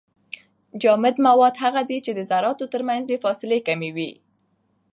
جامد مواد هغه دي چي د زراتو ترمنځ يې فاصله کمه وي.